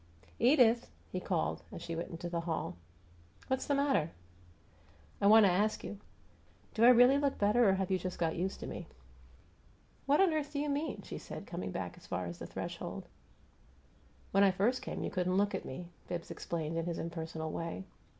"Edith!" he called, as she went into the hall. "What's the matter?" "I want to ask you: Do I really look better, or have you just got used to me?" "What on earth do you mean?" she said, coming back as far as the threshold. "When I first came you couldn't look at me," Bibbs explained, in his impersonal way.